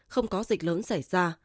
không có dịch lớn xảy ra